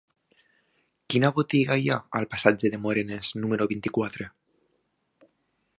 Quina botiga hi ha al passatge de Morenes número vint-i-quatre?